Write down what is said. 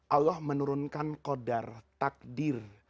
allah menurunkan qadar takdir